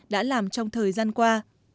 đã làm trong thời gian qua